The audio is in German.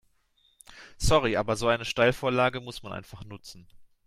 Sorry, aber so eine Steilvorlage muss man einfach nutzen.